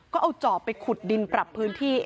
ก็เอาจอบไปขุดดินปรับพื้นที่